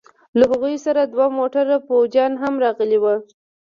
له هغوى سره دوه موټره فوجيان هم راغلي وو.